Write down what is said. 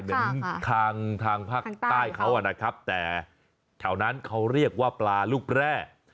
เหมือนทางทางภาคใต้เขานะครับแต่แถวนั้นเขาเรียกว่าปลาลูกแร่